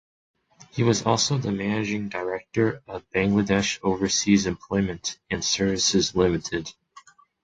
He was also the Managing Director of Bangladesh Overseas Employment and Services Limited.